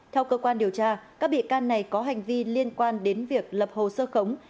theo cơ quan điều tra các bị can này có hành vi liên quan đến việc lập hồ sơ khống